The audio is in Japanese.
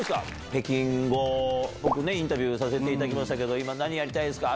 北京後、僕、インタビューさせていただきましたけど、今、何やりたいですか？